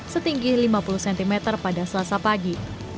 setinggi lima puluh cm pada selasa pagi